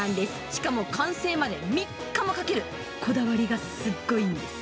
しかも完成まで３日もかける、こだわりがすっごいんです。